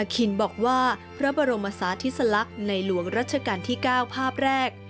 คินบอกว่าพระบรมศาธิสลักษณ์ในหลวงรัชกาลที่๙ภาพแรก